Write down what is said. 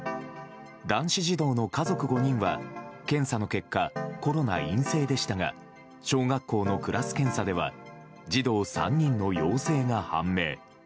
男子児童の家族５人は検査の結果コロナ陰性でしたが小学校のクラス検査では児童３人の陽性が判明。